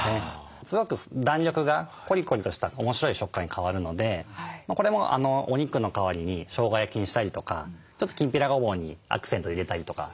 すごく弾力がコリコリとした面白い食感に変わるのでこれもお肉の代わりにしょうが焼きにしたりとかちょっときんぴらごぼうにアクセント入れたりとかしてもおいしいですね。